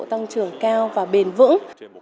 tăng trưởng bền vững